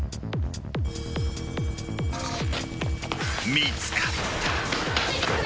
［見つかった］